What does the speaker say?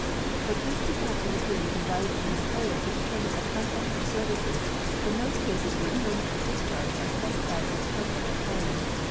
But this does not interfere with the Right of an Employer to determine a contract for services in those cases where terms of discharge are specified in the contract of hiring.